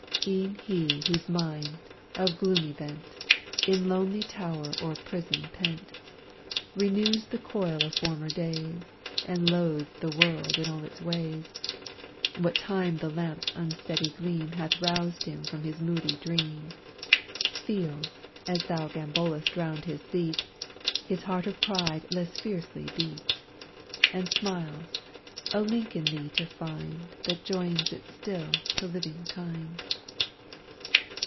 E'en he whose mind, of gloomy bent, In lonely tower or prison pent, Reviews the coil of former days, And loathes the world and all its ways, What time the lamp's unsteady gleam Hath roused him from his moody dream, Feels, as thou gambol'st round his seat, His heart of pride less fiercely beat, And smiles, a link in thee to find That joins it still to living kind.